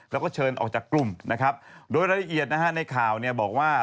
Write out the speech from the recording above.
แล้วก็เชิญออกจากกลุ่มนะครับโดยรายละเอียดนะฮะในข่าวเนี่ยบอกว่า